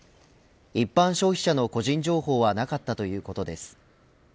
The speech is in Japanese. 一般消費者の個人情報はなかったということです。